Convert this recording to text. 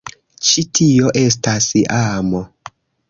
Ĉi tio estas amo.